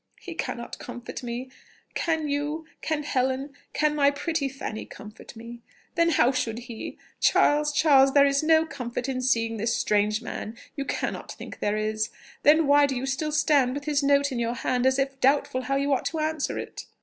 "He cannot comfort me!... Can you, can Helen, can my pretty Fanny comfort me?... Then how should he?... Charles, Charles, there is no comfort in seeing this strange man; you cannot think there is: then why do you still stand with his note in your hand as if doubtful how you ought to answer it?"